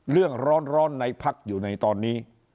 เรื่องร้อนในพักอยู่ในตอนนี้